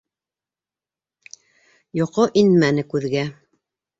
- Йоҡо инмәне күҙгә.